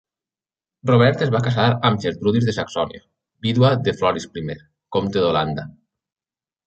Robert es va casar amb Gertrudis de Saxònia, vídua de Floris I, compte d'Holanda.